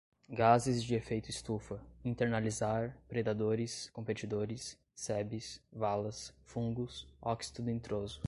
gases de efeito estufa, internalizar, predadores, competidores, sebes, valas, fungos, óxido nitroso